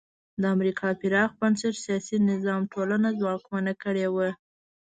د امریکا پراخ بنسټه سیاسي نظام ټولنه ځواکمنه کړې وه.